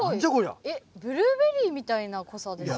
えっブルーベリーみたいな濃さですね。